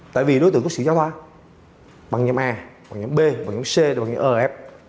tại vì đối tượng có sự giáo thoát băng nhóm a băng nhóm b băng nhóm c băng nhóm e băng nhóm f